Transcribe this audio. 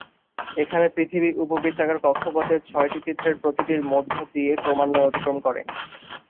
এখানে পৃথিবী উপবৃত্তাকার কক্ষপথের ছয়টি চিত্রের প্রতিটির মধ্য দিয়ে ক্রমান্বয়ে অতিক্রম করে।